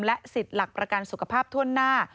และสิทธิ์หลักประกันสุขภาพถ้วนหน้า